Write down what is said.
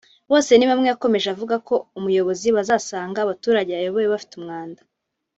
Bosenibamwe yakomeje avuga ko umuyobozi bazasanga abaturage ayoboye bafite umwanda